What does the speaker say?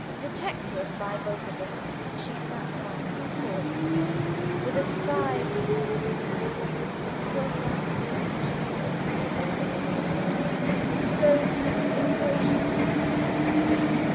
Detected by both of us, she sat down, poor dear, with a sigh of despair. "Was it worth while," she said to me sadly, "to go through the operation for _this?